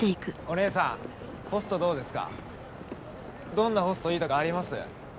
どんなホストいいとかあります？